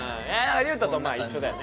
佑太とまあ一緒だよね。